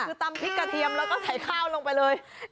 คือตำพริกกระเทียมแล้วก็ใส่ข้าวลงไปเลย